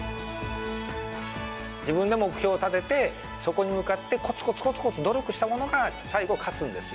自分で目標を立てて、そこに向かってこつこつこつこつ努力した者が最後勝つんですよ。